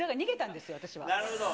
なるほど。